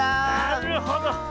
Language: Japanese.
なるほど。